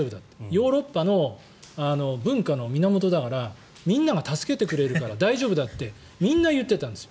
ヨーロッパの文化の源だからみんなが助けてくれるから大丈夫だってみんな言っていたんです。